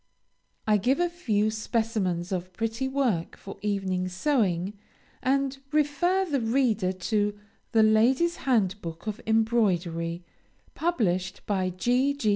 I give a few specimens of pretty work for evening sewing, and refer the reader to "The Ladies' Handbook of Embroidery," published by G. G.